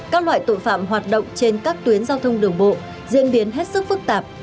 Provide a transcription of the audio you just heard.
các loại tội phạm hoạt động trên các tuyến giao thông đường bộ diễn biến hết sức phức tạp